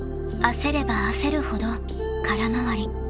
［焦れば焦るほど空回り］